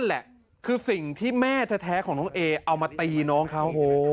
แหละคือสิ่งที่แม่แท้ของน้องเอเอามาตีน้องเขา